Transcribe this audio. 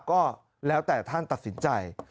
ก็แล้วแต่ท่านตัดสินใจ